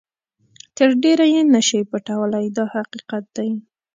تر ډېره یې نه شئ پټولای دا حقیقت دی.